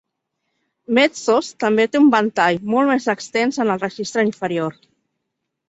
Mezzos també té un ventall molt més extens en el registre inferior.